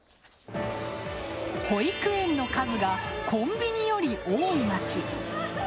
保育園の数がコンビニより多い街。